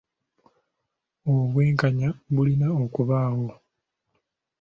Obwenkanya bulina okubaawo.